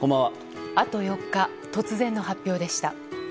あと４日、突然の発表でした。